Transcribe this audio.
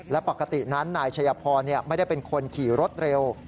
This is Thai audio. และปกตินั้นนายชัยพรไม่ได้เป็นคนขี่รถเร็ว